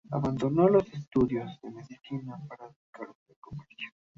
Abandonó los estudios de Medicina para dedicarse al comercio.